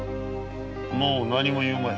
もう何も言うまい。